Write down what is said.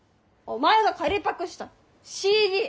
お前が借りパクしたＣＤ！